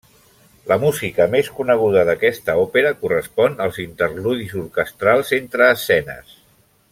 La música més coneguda d'aquesta òpera correspon als interludis orquestrals entre escenes.